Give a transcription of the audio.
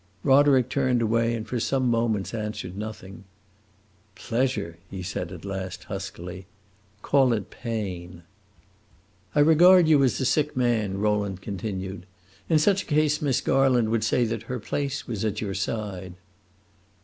Roderick turned away and for some moments answered nothing. "Pleasure!" he said at last, huskily. "Call it pain." "I regard you as a sick man," Rowland continued. "In such a case Miss Garland would say that her place was at your side."